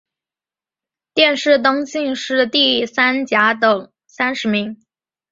殿试登进士第三甲第三十名。